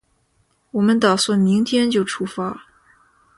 我们打算明天就出发